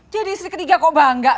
jadi istri ketiga kok bangga